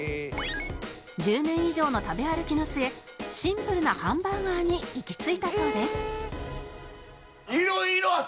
１０年以上の食べ歩きの末シンプルなハンバーガーに行き着いたそうです